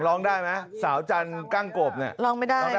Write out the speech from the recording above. เห็นเช้าจันทร์หนังซึมเอาแค่นี้